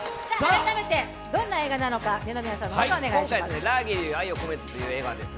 改めてどんな映画なのか二宮さんからお願いします。